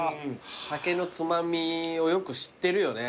酒のつまみをよく知ってるよね